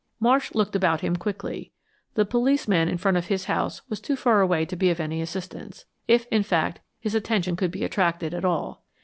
Marsh looked about him quickly. The policeman in front of his house was too far away to be of any assistance, if, in fact, his attention could be attracted at all.